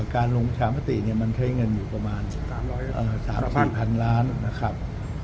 การลงประชามติมันใช้เงินอยู่ประมาณ๓๔พันล้านนะครับ